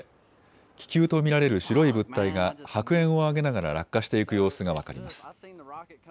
気球と見られる白い物体が白煙を上げながら落下していく様子が分かります。